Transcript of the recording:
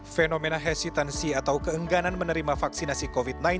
fenomena hesitansi atau keengganan menerima vaksinasi covid sembilan belas